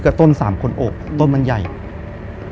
คือก่อนอื่นพี่แจ็คผมได้ตั้งชื่อ